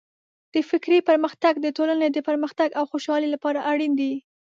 د فکري پرمختګ د ټولنې د پرمختګ او خوشحالۍ لپاره اړین دی.